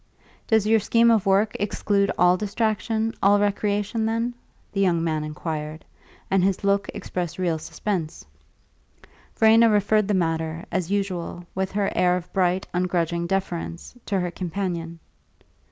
"Does your scheme of work exclude all distraction, all recreation, then?" the young man inquired; and his look expressed real suspense. Verena referred the matter, as usual, with her air of bright, ungrudging deference, to her companion.